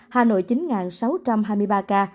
hà nội chín sáu trăm hai mươi ba ca